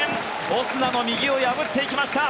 オスナの右を破っていきました。